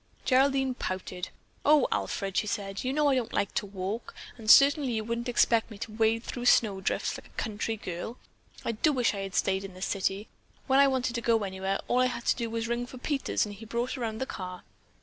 Geraldine pouted. "Oh, Alfred," she said, "you know I don't like to walk, and certainly you wouldn't expect me to wade through snow drifts like a country girl. I do wish I had stayed in the city. When I wanted to go anywhere, all I had to do was ring for Peters and he brought around the car."